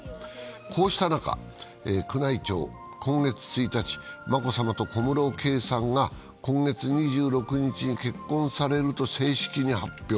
こうした中、宮内庁、今月１日、眞子さまと小室圭さんが今月２６日に結婚されると正式に発表。